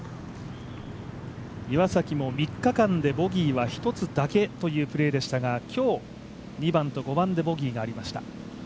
岩崎も３日間でボギーは１つだけというプレーでしたが、今日、２番と５番でボギーがありました。